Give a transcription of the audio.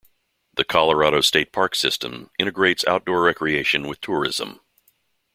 The Colorado State Parks system integrates outdoor recreation with tourism.